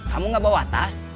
kamu gak bawa tas